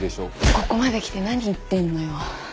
ここまできて何言ってんのよ。